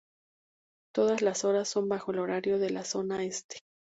Todas las horas son bajo el horario de la Zona Este.